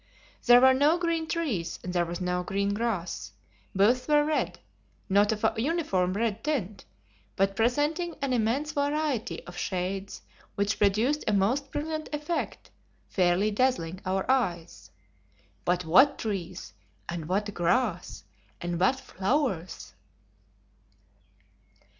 There were no green trees, and there was no green grass. Both were red, not of a uniform red tint, but presenting an immense variety of shades which produced a most brilliant effect, fairly dazzling our eyes. But what trees! And what grass! And what flowers!